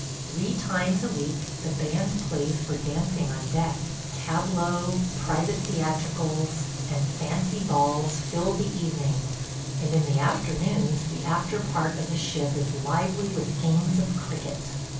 Three times a week the band plays for dancing on deck; tableaux, private theatricals, and fancy balls fill the evenings, and in the afternoons the after part of the ship is lively with games of cricket.